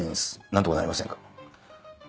何とかなりませんか？